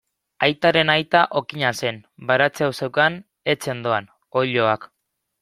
Aitaren aita okina zen, baratzea zeukan etxe ondoan, oiloak.